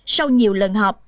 sau nhiều lần họp